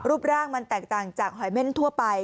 รูปร่างมันแตกต่างจากหอยเม่นทั่วไป